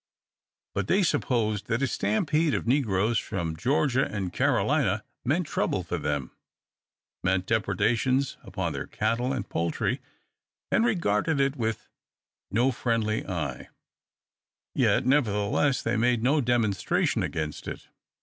But they supposed that a stampede of negroes from Georgia and Carolina meant trouble for them, meant depredations upon their cattle and poultry, and regarded it with no friendly eye; yet, nevertheless, they made no demonstration against it.